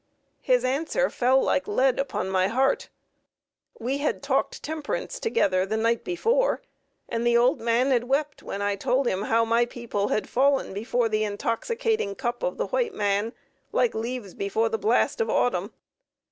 His answer fell like lead upon my heart. We had talked temperance together the night before, and the old man wept when I told him how my people had fallen before the intoxicating cup of the white man like leaves before the blast of autumn.